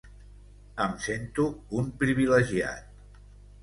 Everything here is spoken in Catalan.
Em sento un privilegiat.